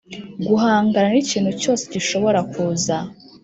guhangana n'ikintu cyose gishobora kuza,